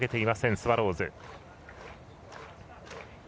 スワローズ。